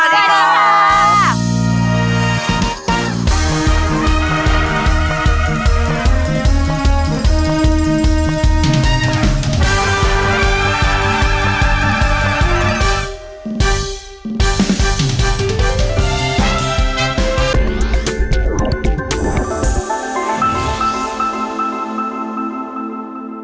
โปรดติดตามตอนต่อไป